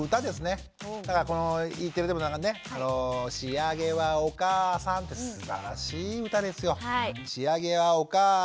だからこのＥテレでもなんかね「しあげはおかあさん」ってすばらしい歌ですよ。